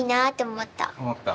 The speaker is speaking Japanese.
・思った。